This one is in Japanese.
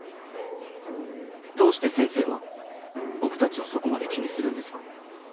どうして先生は僕たちをそこまで気にするんですか？